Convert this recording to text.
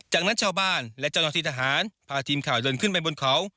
จากนั้นชาวบ้านและจอดนอธิษฐานพาทีมข่าวเดินขึ้นไปบนเขา